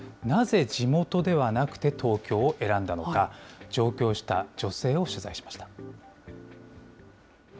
なぜ地元ではなくて東京を選んだのか、上京した女性を取材しました。